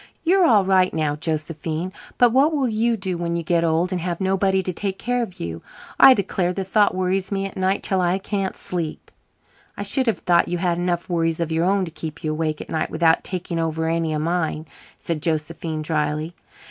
You're all right now, Josephine, but what will you do when you get old and have nobody to take care of you? I declare the thought worries me at night till I can't sleep." "I should have thought you had enough worries of your own to keep you awake at nights without taking over any of mine," said Josephine drily.